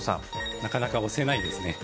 なかなか押せないですね